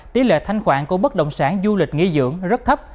tỷ lệ thanh khoản của bất động sản du lịch nghỉ dưỡng rất thấp